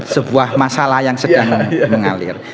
sebuah masalah yang sedang mengalir